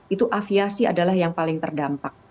itu aviasi adalah yang paling terdampak